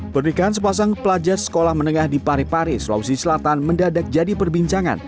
pernikahan sepasang pelajar sekolah menengah di parepare sulawesi selatan mendadak jadi perbincangan